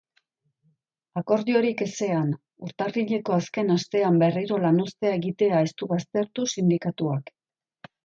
Akordiorik ezean, urtarrileko azken astean berriro lanuztea egitea ez du baztertu sindikatuak.